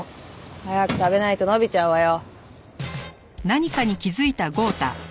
早く食べないとのびちゃうわよ。